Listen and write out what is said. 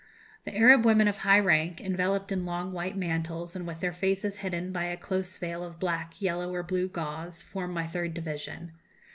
"The Arab women of high rank, enveloped in long white mantles, and with their faces hidden by a close veil of black, yellow, or blue gauze, form my third division.